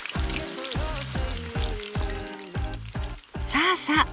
さあさあ